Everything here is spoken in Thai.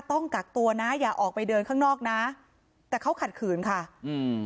ต้องกักตัวนะอย่าออกไปเดินข้างนอกนะแต่เขาขัดขืนค่ะอืม